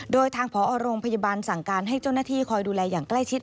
โดยทางพอโรงพยาบาลสั่งการให้เจ้าหน้าที่คอยดูแลอย่างใกล้ชิด